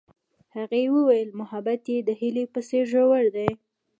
هغې وویل محبت یې د هیلې په څېر ژور دی.